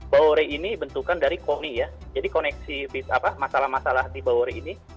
bauri ini dibentukkan dari koni ya jadi koneksi masalah masalah di bauri ini